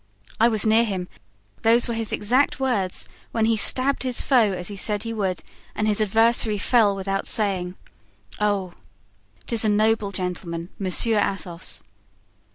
I was near him, those were his exact words, when he stabbed his foe as he said he would, and his adversary fell without saying, 'Oh!' 'Tis a noble gentleman—Monsieur Athos."